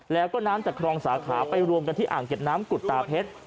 แล้วก็น้ำจากครองสาขาไปรวมกันที่อ่างเก็บน้ำกุฎตาเพชร